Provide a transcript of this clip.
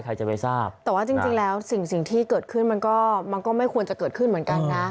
ใครจะไปทราบแต่ว่าจริงแล้วสิ่งที่เกิดขึ้นมันก็มันก็ไม่ควรจะเกิดขึ้นเหมือนกันนะ